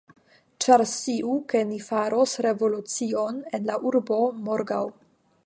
Ĉar sciu, ke ni faros revolucion en la urbo morgaŭ.